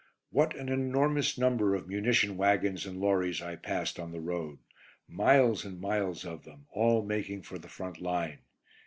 What an enormous number of munition waggons and lorries I passed on the road; miles and miles of them, all making for the front line.